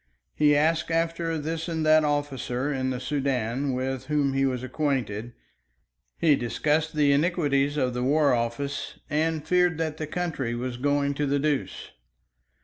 He asked after this and that officer in the Soudan with whom he was acquainted, he discussed the iniquities of the War Office, and feared that the country was going to the deuce.